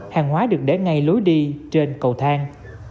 hàng hóa được để ngay lối đi trên cầu thang